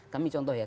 kami contoh ya